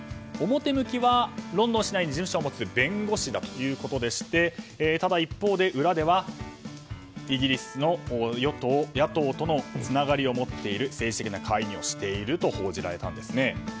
表向きはロンドン市内に住所を持つ弁護士だということでしてただ一方で裏ではイギリスの与党・野党とのつながりがある政治的な介入をしていると報じられたんですね。